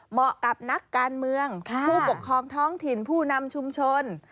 เหมาะกับนักการเมืองผู้ปกครองท้องถิ่นผู้นำชุมชน